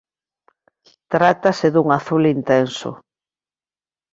Trátase dun azul intenso.